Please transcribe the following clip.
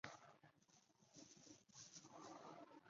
郭连乡是中国河南省许昌市禹州市下辖的一个乡。